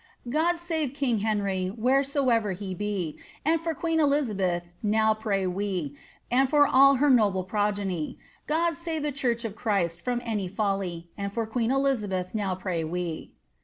God tare king Hemie wheresoever he be, And for qoeene Elizabeth now pray wee, And ibr all her noble progenje ; God sare the church of Christ from way ibilie, And for queene Elizabeth now pray wee.